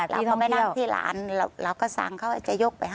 เราก็ไปนั่งที่หลานเราก็สั่งเขาจะยกไปให้